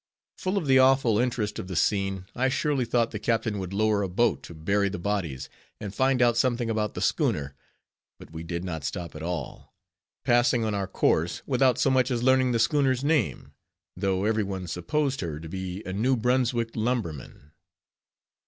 Full of the awful interest of the scene, I surely thought the captain would lower a boat to bury the bodies, and find out something about the schooner. But we did not stop at all; passing on our course, without so much as learning the schooner's name, though every one supposed her to be a New Brunswick lumberman.